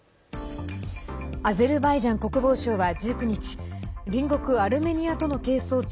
アゼルバイジャン国防省は１９日隣国アルメニアとの係争地